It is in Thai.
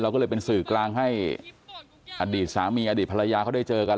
ก็เลยเป็นสื่อกลางให้อดีตสามีอดีตภรรยาเขาได้เจอกัน